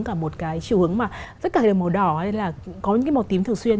cả một cái chiều hướng mà tất cả đều màu đỏ hay là có những cái màu tím thường xuyên